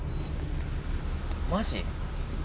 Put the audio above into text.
マジ？